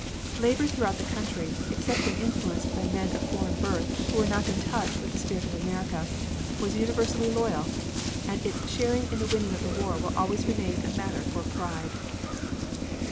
Labor throughout the country, except when influenced by men of foreign birth who were not in touch with the spirit of America, was universally loyal, and its share in the winning of the war will always remain a matter for pride.